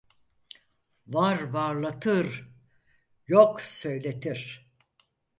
Var varlatır, yok söyletir.